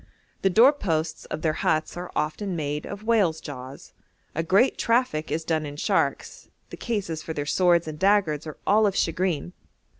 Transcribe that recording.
The door posts of their huts are often made of whales' jaws; a great traffic is done in sharks; the cases for their swords and daggers are all of shagreen.